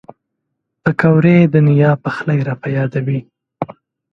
پکورې د نیا پخلی را په یادوي